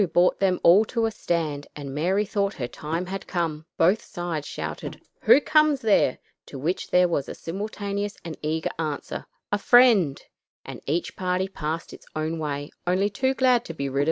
brought them all to a stand, and Mary thought her time had come. Both sides shouted, "Who comes there?" to which there was a simultaneous and eager answer, "A friend," and each party passed its own way, only too glad to be rid of the other.